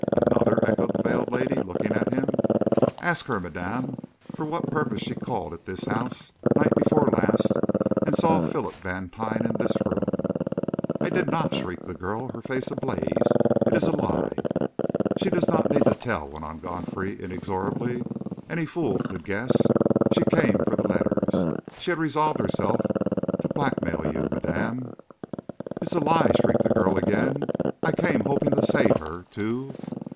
"Another?" echoed the veiled lady, looking at him. "Ask her, madame, for what purpose she called at this house, night before last, and saw Philip Vantine in this room." "I did not!" shrieked the girl, her face ablaze. "It is a lie!" "She does not need to tell!" went on Godfrey inexorably. "Any fool could guess. She came for the letters! She had resolved herself to blackmail you, madame!" "It is a lie!" shrieked the girl again. "I came hoping to save her to...."